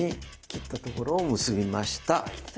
切ったとこ結びました！